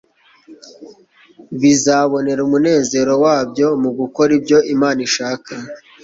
bizabonera umunezero wabyo mu gukora ibyo Imana ishaka.